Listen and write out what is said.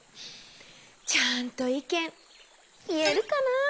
ちゃんといけんいえるかな。